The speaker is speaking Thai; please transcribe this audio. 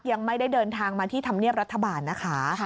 ยังไม่ได้เดินทางมาที่ธรรมเนียบรัฐบาลนะคะ